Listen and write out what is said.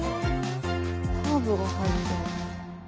ハーブが入ってる。